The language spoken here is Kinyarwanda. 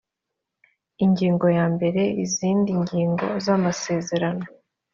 ingingo ya mbere izindi ngingo z amasezerano